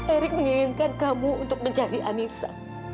erick menginginkan kamu untuk mencari anissa